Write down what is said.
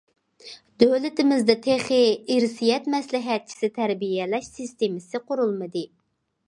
دۆلىتىمىزدە تېخى ئىرسىيەت مەسلىھەتچىسى تەربىيەلەش سىستېمىسى قۇرۇلمىدى.